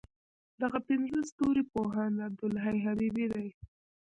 دغه پنځه ستوري پوهاند عبدالحی حبیبي دی.